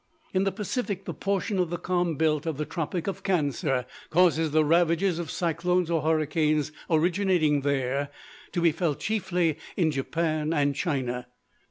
In the Pacific the portion of the calm belt of the Tropic of Cancer causes the ravages of cyclones or hurricanes originating there to be felt chiefly in Japan and China.